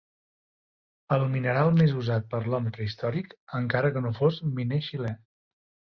El mineral més usat per l'home prehistòric, encara que no fos miner xilè.